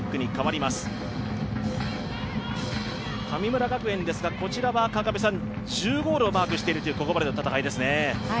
神村学園ですが、こちらは１０ゴールをマークしているここまでの戦いですね。